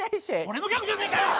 俺のギャグじゃねえかよ